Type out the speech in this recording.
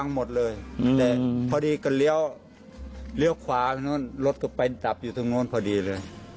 เนี่ยพอดีการเลี้ยวเรียกว่าบินจับอยู่ทั้งโน้นพอดีเลย